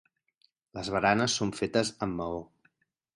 Les baranes són fetes amb maó.